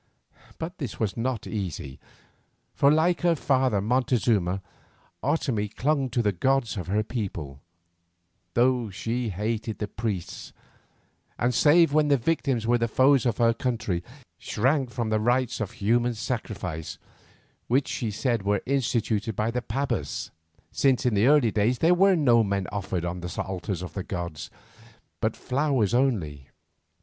But this was not easy, for like her father Montezuma, Otomie clung to the gods of her people, though she hated the priests, and save when the victims were the foes of her country, shrank from the rites of human sacrifice, which she said were instituted by the pabas, since in the early days there were no men offered on the altars of the gods, but flowers only.